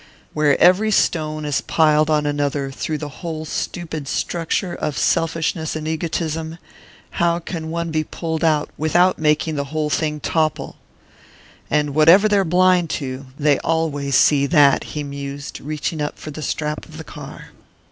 "Where every stone is piled on another, through the whole stupid structure of selfishness and egotism, how can one be pulled out without making the whole thing topple? And whatever they're blind to, they always see that," he mused, reaching up for the strap of the car.